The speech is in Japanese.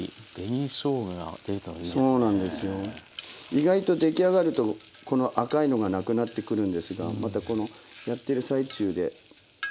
意外と出来上がるとこの赤いのがなくなってくるんですがまたこのやってる最中で。